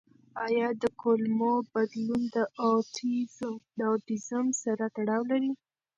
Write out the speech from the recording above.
آیا د کولمو بدلون د اوټیزم سره تړاو لري؟